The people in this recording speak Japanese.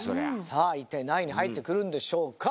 さあ一体何位に入ってくるんでしょうか？